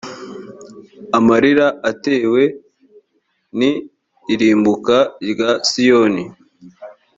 amarira atewe ni irimbuka rya siyoni